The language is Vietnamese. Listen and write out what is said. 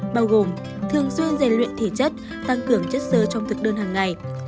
bao gồm thường xuyên rèn luyện thể chất tăng cường chất sơ trong thực đơn hàng ngày